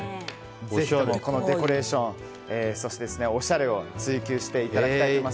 ぜひともこのデコレーションそしておしゃれを追求していただきたいと思います。